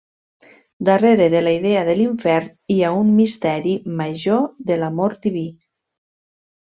Darrere de la idea de l'infern hi ha un misteri major de l'amor diví.